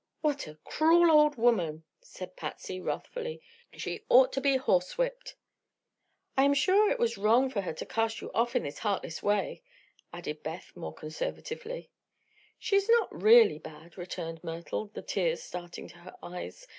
"What a cruel old woman!" cried Patsy, wrathfully. "She ought to be horsewhipped!" "I am sure it was wrong for her to cast you off in this heartless way," added Beth, more conservatively. "She is not really bad," returned Myrtle, the tears starting to her eyes.